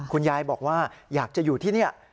คุณยายบอกว่าอยากจะอยู่ที่นี่